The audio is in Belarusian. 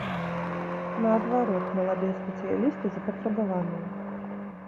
Наадварот, маладыя спецыялісты запатрабаваныя.